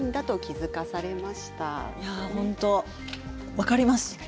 分かります。